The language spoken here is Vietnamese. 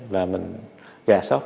và mình gà sóc